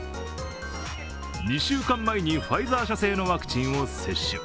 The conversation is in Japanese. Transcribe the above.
２週間前にファイザー社製のワクチンを接種。